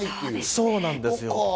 そうなんです。